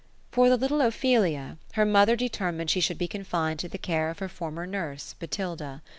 For the little Ophelia, her mother determined she should be confined to the care of her former nurss, Botilda.